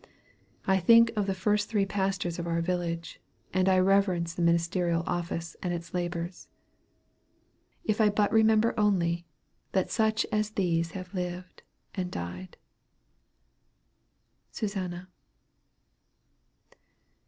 I think of the first three pastors of our village, and I reverence the ministerial office and its labors, "If I but remember only, That such as these have lived, and died." SUSANNA.